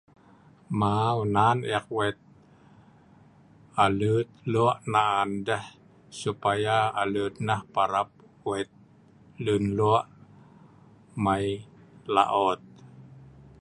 Ma'u nan ek wet alut lo'ou nan an deh supaya alut nah parap wet lun na'ah mai la'ot.